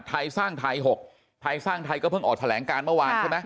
ไทยสร้างไทย๖ไทยสร้างไทยก็เพิ่งออกแถลงการเมื่อวานใช่ไหม